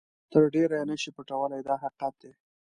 تر ډېره یې نه شئ پټولای دا حقیقت دی.